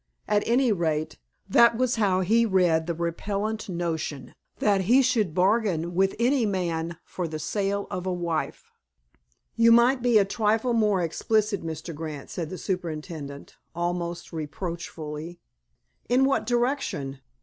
At any rate, that was how he read the repellent notion that he should bargain with any man for the sale of a wife. "You might be a trifle more explicit, Mr. Grant," said the superintendent, almost reproachfully. "In what direction?